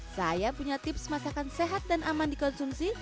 saya punya tips masakan sehat dan aman dikonsumsi